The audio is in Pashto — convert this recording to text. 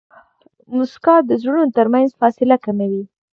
موسکا د زړونو ترمنځ فاصله کموي.